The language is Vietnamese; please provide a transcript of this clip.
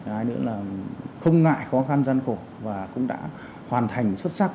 hai nữa là không ngại khó khăn gian khổ và cũng đã hoàn thành xuất sắc